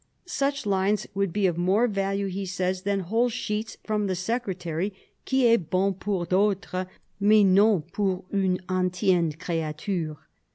Such lines would be of more value, he says, than whole sheets from the secretary, "qui est bon pour d'autres, mais non pour une antienne creature."